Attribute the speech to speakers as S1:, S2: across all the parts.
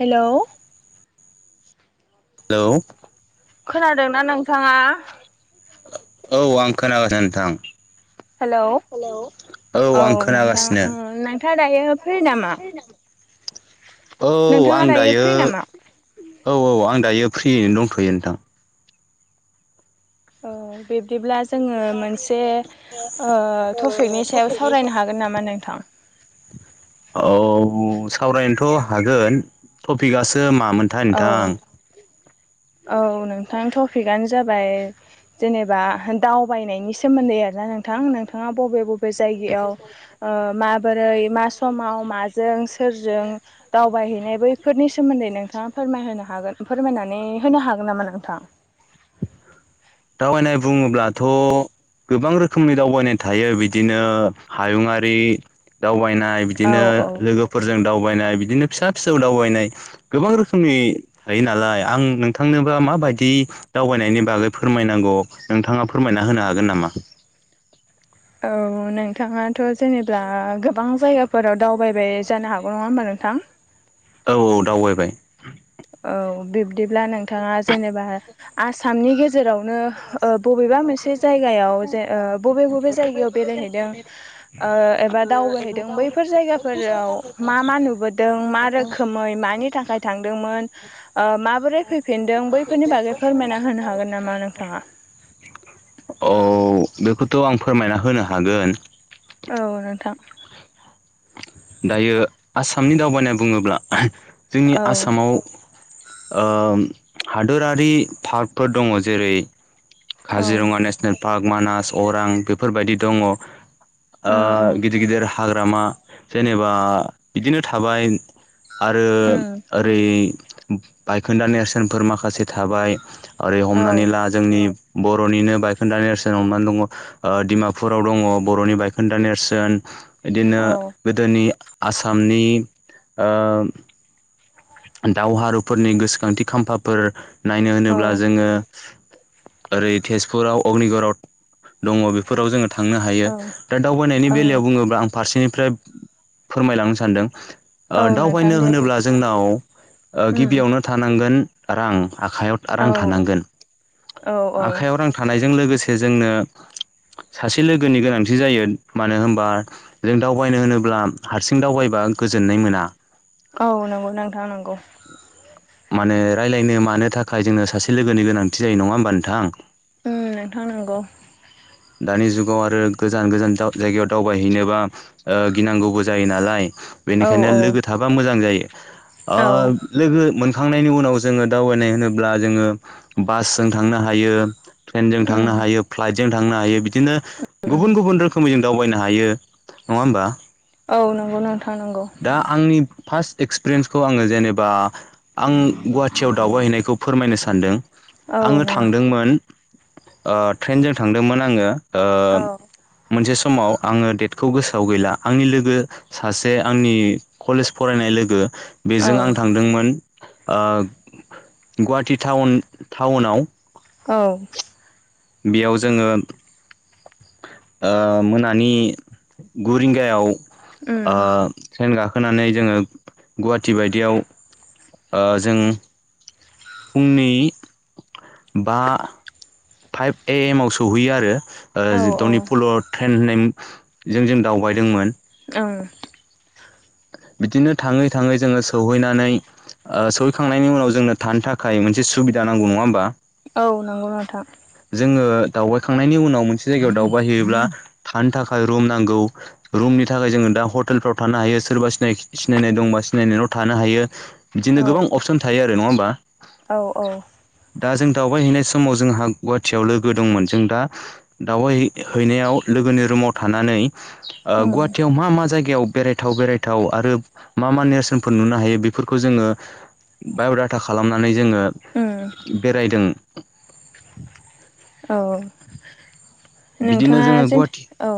S1: हेल'
S2: hello
S1: खोनादोंना नोंथाङा
S2: औ आं खोनागासिनो नोंथां।
S1: हेलौ
S2: हेल औ
S1: औ
S2: आं
S1: नोंथां
S2: खोनागासिनो।
S1: ओ नोंथाङा दायो फ्रि नामा?
S2: औ
S1: नोंथाङा
S2: आं दायो
S1: फ्रि नामा?
S2: औ औ आं दायो फ्रियैनो दंथ'यो नोंथां।
S1: ओ बिब्दिब्ला जोङो मोनसे ओ टपिकनि सायाव सावरायनो हागोन नामा नोंथां।
S2: औ सावरायनोथ' हागोन टपिकयासो मामोनथाय
S1: औ
S2: नोंथां।
S1: औ नोंथां टपिकयानो जाबाय जेनेबा दावबायनायनि सोमोन्दै आरोना नोंथां नोंथाङा बबे बबे बे जायगायाव ओ मा ओरै मा समाव माजों सोरजों दावबायहैनाय बैफोरनि सोमोन्दै नोंथ नोंथाङा फोरमायहोनो हागोन फोरमायनानै होनो हागोन नामा नोंथां?
S2: दावबायनाय बुङोब्लाथ' गोबां रोखोमनि दावबायनाय थायो बिदिनो हायुङारि दावबायनाय
S1: औ
S2: बिदिनो
S1: औ
S2: लोगोफोरजों दावबायनाय बिदिनो फिसा फिसौ दावबायनाय गोबां रोखोमनि थायो नालाय आं नोंथांनोबा माबायदि दावबायनायनि बागै फोरमायनांगौ नोंथाङा फोरमायना होनो हागोन नामा?
S1: औ नोंथाङाथ' जेनेबा गोबां जायगा फोराव दावबायबाय जानो हागौ नङा होमबा नोंथां?
S2: औ औ दावबायबाय।
S1: औ बिब्दिब्ला नोंथाङा जेनेबा आसामनि गेजेराव नो ओ बबेबा मोनसे जायगायाव ओ जे बबे बबे जायगायाव बेरायहैदों ओ एबा दावबायहैदों बैफोर जायगाफोराव मा मा नुबोदों मा रोखोमै मानि नि थाखाय थांदोंमोन। ओ माबोरै फैफिनदों बैफोरनि बागै फोरमायना होनो हागोन नामा नोंथाङा?
S2: औ बेखौथ' आं फोरमायना होनो हागोन।
S1: औ नोंथां।
S2: दायो आसामनि दावबायानाय बुङोब्ला जोंनि
S1: औ
S2: आसामाव ओ हादोरारि पार्कफोर दङ जेरै
S1: औ
S2: काजिरङा नेसनेल पार्क मानास अरां बेफोरबायदि दङ ओ
S1: उम उम
S2: गिदिर गिदिर हाग्रामा जेनेबा बिदिनो थाबाय आरो
S1: उम
S2: ओरै बायखोन्दा नेरसोनफोर माखासे थाबाय ओरै
S1: औ
S2: हमनानै ला जोंनि बर'निनो बायखोन्दा नेरसोन हमनानै दङ ओ डिमापुराव दङ बर'नि बायखोन्दा नेरसोन। बिदिनो
S1: औ
S2: गोदोनि आसामनि ओ दावहारुफोरनि गोसोखांथि खाम्फाफोर नायनो
S1: औ
S2: होनोब्ला जोङो ओरै तेजपुराव अग्निगरआव दङ बेफोराव जोङो थांनो हायो
S1: औ
S2: दा दावबायनायनि
S1: औ
S2: बेलायाव बुङोब्ला आं फारसेनिफ्राय फोरमायलांनो सानदों
S1: औ
S2: ओ
S1: नोंथां
S2: दावबायनो
S1: दे बुं
S2: होनोब्ला जोंनाव ओ
S1: उम
S2: गिबियावनो थानांगोन रां। आखायाव रां
S1: औ
S2: थानांगोन
S1: औ औ
S2: आखाइयाव रां थानायजों लोगोसे जोंनो सासे लोगोनि गोनांथि जायो मानो होनबा जों दावबायनो होनोब्ला हारसिं दावबायबा गोबां गोजोननाय मोना।
S1: औ नंगौ नोंथां नंगौ।
S2: माने रायलायनो मानो थाखाय जोंनो सासे लोगोनि गोनांथि जायो नङा होमबा नोंथां?
S1: उम नोंथां नांगौ।
S2: दानि जुगाव आरो गोजान गोजान जायगायाव दावबायहैनोबा ओ गिनांगौबो जायो नालाय।
S1: औ
S2: बेनिखायनो
S1: औ
S2: लोगो थाबा मोजां जायो ओ
S1: औ
S2: लोगो मोन थांखांनायनि उनाव जोङो दावबायनाय होनोब्ला जोङो बासजों थांनो हायो ट्रेनजों
S1: उम
S2: थांनो हायो फ्लाइटजों थांनो हायो बिदिनो
S1: उम
S2: गुबुन गुबुन रोखोमै जों दावबायनो हायो नङा होमबा?
S1: औ नंगौनो।
S2: दा आंनि फार्स्ट एक्सपिरियेन्सखौ आङो जेनेबा आं गुवाहाटियाव दावबायहैनायखौ फोरमायनो सानदों
S1: औ
S2: आङो
S1: नो
S2: थांदोंमोन ओ ट्रेनजों थांदोंमोन आङो ओ
S1: औ
S2: मोनसे समाव आङो डेटखौ गोसोआव गैला आंनि लोगो सासे आंनि कलेज फरायनाय लोगो
S1: औ
S2: बेजों आं थांदोंमोन। गुवाहाटि टाउन टाउनाव-
S1: औ
S2: बेयाव जोङो ओ मोनानि गु रिंगायाव
S1: उम
S2: ओ ट्रेन गाखो होनानै जोङो गुवाहाटि बायदियाव ओ जों फुंनि बा फाइभ ए एम आव सौहैयो आरो-
S1: औ
S2: ओ धनिपुल' ट्रेन होननायजों जों दावबायदोंमोन।
S1: ओं।
S2: बिदिनो थाङै! थाङै जोङो सहैनानै,, ओ सहैखांनायनि उनाव जोंनो थानो थाखाय मोनसे सुबिदा नांगौ नङा होमबा?
S1: औ नंगौ नोंथां।
S2: जोङो दावबायखांनायनि उनाव मोनसे जायगायाव दावबाय हैैयोब्ला थानो थाखाय रुम नांगौ रुमनि थाखाय जोङो दा हटेलफ्राव थानो हायो- सोरबा सिनाखि सिनायनाय दंबा सिनायनायाव थानो हायो बिदिनो
S1: औ
S2: गोबां अपसन थायो आरो नङा होमबा।
S1: औ औ।
S2: दा जों दावबाय हैनाय समाव जोंहा गुवाहाटियाव लोगो दंमोन जों दा दावबाय हैनायाव लोगोनि रुमाव थानानै
S1: उम
S2: गुवाहाटियाव मा मा जायगायाव बेरायथाव- बेरायथाव- औ आरो मा मा नेरसोन नुनो हायो बेफोरखौ जोङो बाय'डाटा खालामनानै जोङो
S1: उम
S2: बेरायदों,,
S1: औ
S2: बिदिनो
S1: नोंथाङा
S2: जोङो
S1: जेन
S2: गुवाहाटि
S1: औ।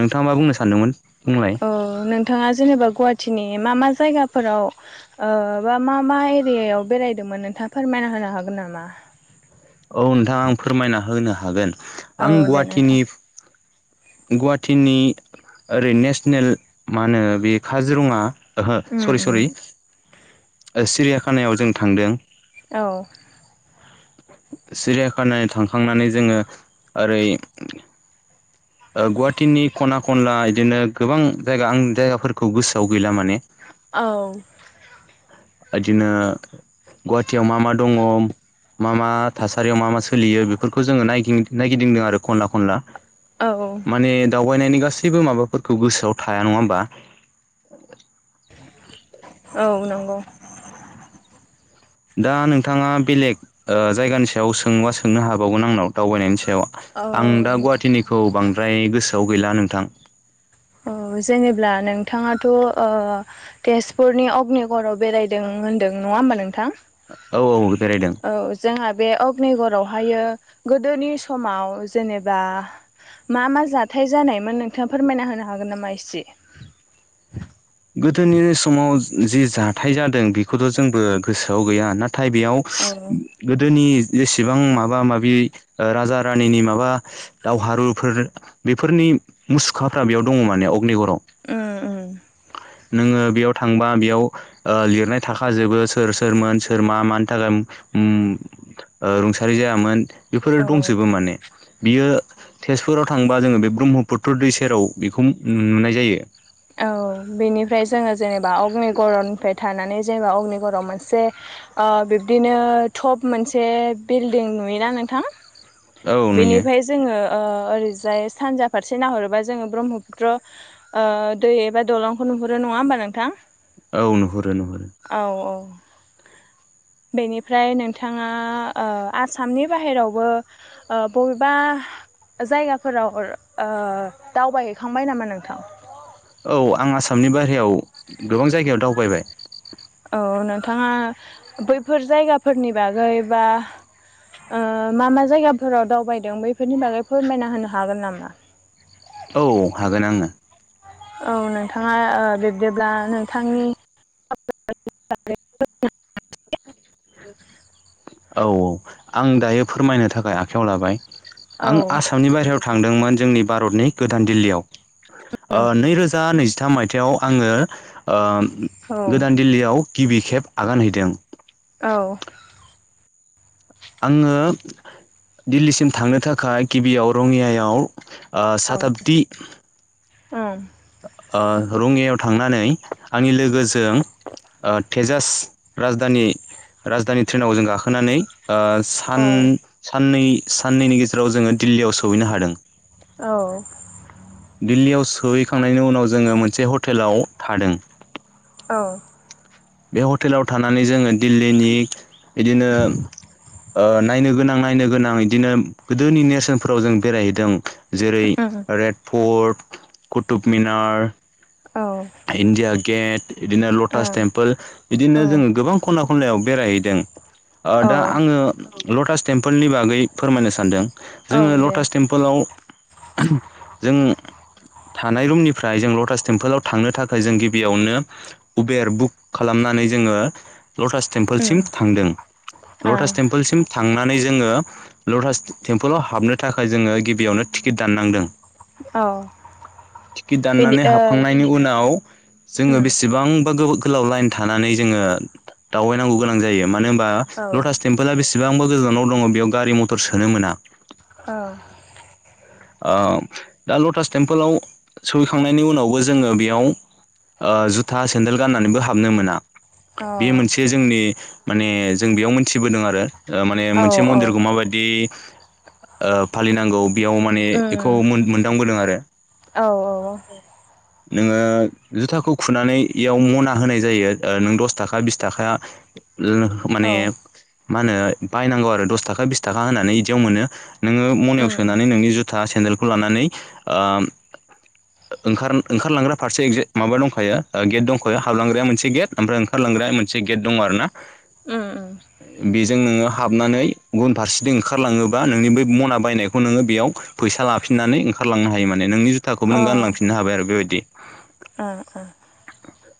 S2: नोंथाङा मा बुंनो सानदोंमोन? बुंलाय
S1: अ नोंथाङा जेनेबा गुवाहाटिनि मा मा? जायगाफोराव बा मा मा एरियायाव बेरायदोंमोन नोंथाङा फोरमायना होनो हागोन नामा?
S2: औ नोंथां आं फोरमायना होनो हागोन
S1: औ
S2: आं
S1: दे नोंथां
S2: गुवाहाटिनि- गुवाहाटिनि ओरै नेसनेल मा होनो बे काजिरङा ओहो
S1: उम
S2: सरि
S1: उम
S2: सरि सिरियाखानायाव जों थांदों।
S1: औ!
S2: सिरियाखाना थांखांनानै जोङो ओरै-
S1: [inaudible]
S2: गुवाहाटिनि खना खनला बिदिनो गोबां जायगा आं जायगाफोरखौ गोसोआव गैला माने-
S1: औ!
S2: बिदिनो गुवाहाटियाव मा मा दङ- मा मा थासारियाव मा मा सोलियो बेफोरखौ जोङो नायगिदिंदों आरो खनला खनला
S1: औ
S2: माने दावबायनायनि- गासैबो माबाफोरखौ गोसोआव थाया नङा होमबा?
S1: औ नंगौ!
S2: दा नोंथाङा बेलेग जायगानि सायाव सोंङोबा सोंनो हाबावगोन आंनाव दावबायनायनि सायाव-
S1: औ
S2: व आं दा गुवाहाटिनिखौ बांद्राय गोसोआव गैला नोंथां।
S1: ओ जेनेब्ला नोंथाङाथ' तेजपुरनि अग्निगड़आव बेरायदों- नों होनदों नङा होमबा नोंथां?
S2: औ बेरायदों
S1: औ जोंहा बे औ कनिगरावहायो गोदोनि समाव जेनेबा- मा मा जाथाय जानायमोन नोंथाङा फोरमायना होनो हागोन नामा इसे?
S2: गोदोनि समाव जि जाथाय जादों बेखौथ' जोंबो गोसोआव गैया नाथाय- नाथाय बेयाव
S1: औ उम
S2: गोदोनि जेसेबां माबा! माबि राजा -रानिनि माबा दावहारुफोर बेफोरनि,, मुसुखाफोरा बेयाव दङ माने अग्निग़ाव-
S1: उम
S2: नोङो बेयाव थांबा बेयाव लिरनाय थाखाजोबो सोर सोरमोन सोर मा मानि थाखाय- रुंसारि जायामोन बेफोरो
S1: औ
S2: दंजोबो माने- बियो तेजपुराव थांबा जोङो बे ब्रह्मपुत्र दै सेराव बेखौ नुनाय जायो।
S1: औ बेनिफ्राय जोङो जेनेबा अग्निगऱनिफ्राय थानानै जेनेबा अग्निगऱआव मोनसे- आ बिब्दिनो टप मोनसे बिल्डिं नुयोना नोंथां?
S2: औ नुयो
S1: बिनिफाय जोङो ओ ओरैजाय सानजा फारसे नाहरोबा जोङो ब्रह्मपुत्र ओ दै एबा दलंखौ नुहरो नङा होमबा नोंथां?
S2: औ नुहुरो नुहुरो।
S1: औ [inaudible] बेनिफ्राय नोंथाङा ओ आसामनि बाहेरावबो ओ बबेबा [unintelligible] जायगाफोराव [unintelligible] ओ दावबायहैखांबाय नामा नोंथां?
S2: औ आं आसामनि बाहेरायाव गोबां जायगायाव दावबायबाय
S1: औ नोंथाङा बैफोर जायगाफोरनि बागै बा ओ मा मा जायगाफोराव दावबायदों बैफोरनि बागै फोरमायना होनो हागोन नामा?
S2: औ हागोन आङो
S1: औ नोंथाङा बिब्दिब्ला नोंथांनि [unintelligible]
S2: औ औ आं दायो फोरमायनो थाखाय आखाइायाव लाबाय
S1: औ
S2: आं आसामनि बायहेरायाव थांदोंमोन जोंनि भारतनि गोदान दिल्लीयाव ओ नैरोजा नैजिथाम मायथाइाव आङो ओ
S1: औ
S2: गोदान दिल्लीयाव गिबि खेब आगान हैदों
S1: औ
S2: आङो दिल्लीसिम थांनो थाखाय गिबियाव रङियायाव ओ साताब्दि
S1: ओम
S2: ओ रङियायाव थांनानै आंनि लोगोजों ओ थेजास राजधानि राजधानि ट्रेनाव जों गाखोनानै आ‌ सान
S1: औ
S2: साननै साननैनि गेजेराव जोङो दिल्लीयाव सहैनो हादों
S1: औ
S2: दिल्लीयाव सोहैखांनायनि उनाव जोङो मोनसे हटेलाव थादों
S1: औ
S2: बे हटेलाव थानानै जोङो दिल्लीनि इदिनो ओ नायनो गोनां नायनो गोनां इदिनो गोदोनि नेेरसोनफोराव जों बेरायहैदों जेरै
S1: ओम
S2: रेड फर्ट कुतुब मिनार
S1: औ
S2: इन्डिया गेत इदिनो लटास
S1: ओं
S2: टेम्पोल बिदिनो
S1: ओं
S2: जोङो गोबां खना खनलायाव बेरायहैदों ओ
S1: औ
S2: दा आङो लटास टेम्पोलनि बागै फोरमायनो सानदों
S1: औ
S2: जोङो
S1: दे
S2: लटास टेम्पोलाव [unintelligible] जों थानाय रुमनिफ्राय जों लटास टेमपोलाव थांनो थाखाय जों गिबियावनो उबेर बुक खालामनानै जोङो लटास टेम्पोलसिम
S1: ओम
S2: थांदों लटास
S1: ओं
S2: टेम्पोलसिम था थांनानै जोङो लटास टेम्पोलाव हाबनो थाखाय जोङो गिबियावनो टिकिट दाननांदों
S1: औ [inaudible] बिनि ओ
S2: नि उनाव जोङो
S1: ओम
S2: बेसेबांबा गोबाव गोलाव लाइन थानानै जोङो दावबायनांगौ गोनां जायो मानो होनबा
S1: औ
S2: लटास टेमपला बेसे बेसेबांबो गोजानाव दङ बेयाव गारि मथर सोनो मोना
S1: औ
S2: ओ दा लटास टेम्पोलाव सहैखांनायनि उनावबो जोङो बेयाव ओ जुथा सेन्देल गाननानैबो हाबनो मोना
S1: अ
S2: बेयो मोनसे जोंनि माने जों बेयाव मोनथिबोदों आरो ओ माने मोनसे
S1: औ औ
S2: मन्दिरखौ माबायदि ओ फालिनांगौ बेयाव माने इखौ
S1: ओम
S2: मोन मोनदां बोदों आरो
S1: औ
S2: नोङो जुथाखौ खुनानैयाव इआव मना होनाय जायो नों दस थाखा बिस थाखा ओ
S1: औ
S2: माने
S1: ओम
S2: मा होनो बायनांगौ आरो दसथाखा बिस थाखा होननानै इदियाव मोनो नोङो मनायाव
S1: ओम
S2: सोनानै नोंनि जुथा सेन्देलखौ लानानै ओम ओंखार नो ओंखारलांग्रा फारसे माबा दंखायो गेट दंखायो हाबलांग्राया मोनसे गेट ओमफ्राय ओंखारलां मोनसे गेट दङ आरो ना
S1: उम उम
S2: जों नोङो हाबनानै गुबुन फारसेथिं ओंखारलाङोबा नोंनि बे मना बायनायखौ नोङो बेयाव फैसा लाफिनानै ओंखारलांनो हायो माने नोंनि जुथाखौबो नों गानलांफिननो हाबाय आरो बेबायदि
S1: ओ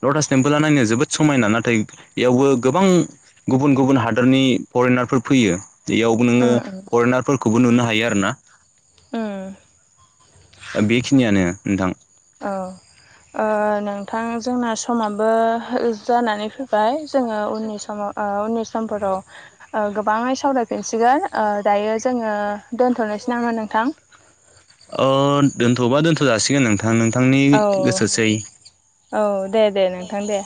S2: लटास टेम्पोल नायनो जोबोद समायना नाथाय इयावबो गोबां गुबुन गुबुन हादरनि फरेनारफोर फैयो बेयावबो
S1: ओम
S2: नोङो
S1: ओम
S2: फरेनारफोरखौबो नुनो हायो आरो ना
S1: ओ
S2: ओ बेखिनियानो नोंथां
S1: औ ओ नोंथां जोंना समाबो जानानै फै ओमफ्राय जोङो उननिस समाव ओ उननि सम समफोराव ओ गोबाङै सावरायफिनसिगोन ओ दायो जोंङो। दोन्थ'नोसै नामा नोंथां
S2: ओ दोनथ'बा दोनथ' जासिगोन नोंथां ओ नोंथांनि
S1: औ
S2: गोसोसै
S1: औ दे दे नोंथां दे।